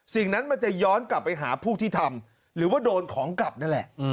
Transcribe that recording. สิ่งนั้นมันจะย้อนกลับไปหาผู้ที่ทำหรือว่าโดนของกลับนั่นแหละ